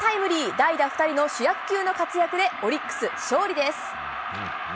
代打２人の主役級の活躍で、オリックス、勝利です。